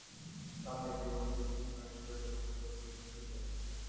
তাঁহার জীবন নিজের জন্য নয়, ঈশ্বরের জন্য উৎসর্গীকৃত।